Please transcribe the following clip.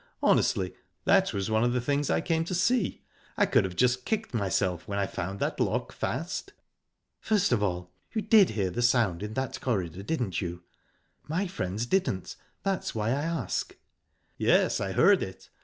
Honestly, that was one of the things I came to see. I could have just kicked myself when I found that lock fast." "First of all you did hear the sound in that corridor, didn't you? My friends didn't that's why I ask." "Yes, I heard it.